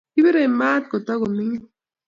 Kibirei ma Kota komining